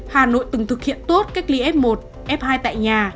hà nội từng thực hiện tốt cách ly f một f hai tại nhà